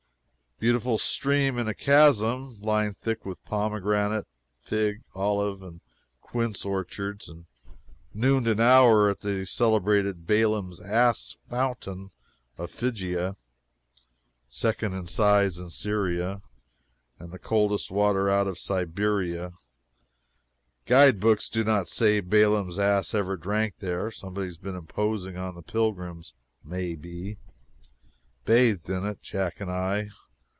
Beautiful stream in a chasm, lined thick with pomegranate, fig, olive and quince orchards, and nooned an hour at the celebrated Baalam's Ass Fountain of Figia, second in size in Syria, and the coldest water out of Siberia guide books do not say Baalam's ass ever drank there somebody been imposing on the pilgrims, may be. Bathed in it Jack and I.